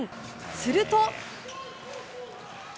すると。